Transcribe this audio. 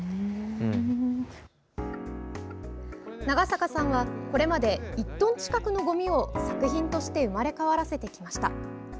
長坂さんはこれまで１トン近くのごみを作品として生まれ変わらせてきました。